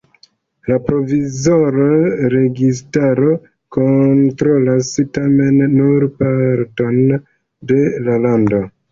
La provizora registaro kontrolas tamen nur parton de la lando.